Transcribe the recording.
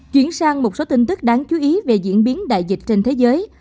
chuyển sang một số tin tức đáng chú ý về diễn biến đại dịch trên thế giới